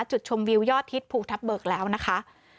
จุดชมวิวยอดฮิตภูทับเบิกแล้วนะคะ